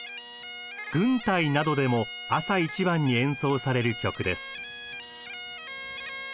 軍隊などでも朝一番に演奏される曲です。